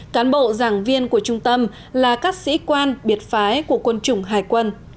cán bộ giảng viên của trung tâm là các sĩ quan biệt phái của quân chủng hải quân